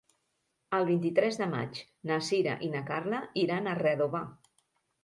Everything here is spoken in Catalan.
El vint-i-tres de maig na Sira i na Carla iran a Redovà.